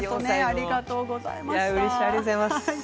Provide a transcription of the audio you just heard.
ありがとうございます。